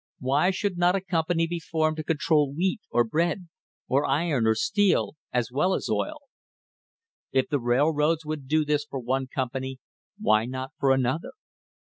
Why should not a company be formed to control wheat or beef or iron or steel, as well as oil? If the railroads would do this for one company, why not for another?